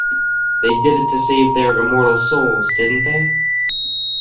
They did it to save their immortal souls, didn't they?